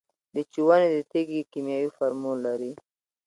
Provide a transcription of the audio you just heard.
د چونې د تیږې کیمیاوي فورمول لري.